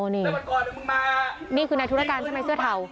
นี่นี่คือนายธุรการใช่ไหมเสื้อเทา